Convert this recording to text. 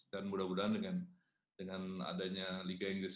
dan mudah mudahan dengan adanya liga inggris